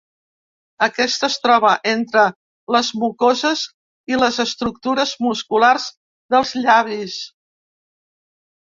Aquesta es troba entre les mucoses i les estructures musculars dels llavis.